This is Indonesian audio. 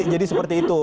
jadi seperti itu